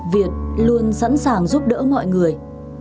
việt luôn sẵn sàng giúp đỡ mọi người